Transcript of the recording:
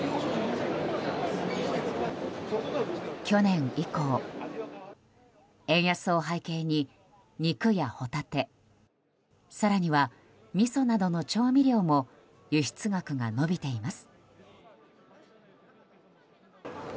去年以降、円安を背景に肉やホタテ更には、みそなどの調味料も輸出額が伸びています。